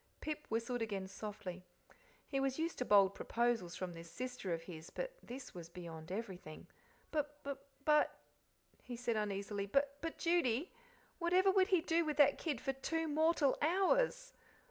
Pip whistled again softly. He was used to bold proposals from this sister of his, but this was beyond everything. "B b but," he said uneasily, "but, Judy, whatever would he do with that kid for two mortal hours?"